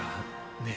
ねえ。